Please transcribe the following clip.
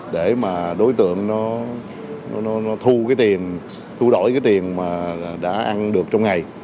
để mà đối tượng nó thu cái tiền thu đổi cái tiền mà đã ăn được trong ngày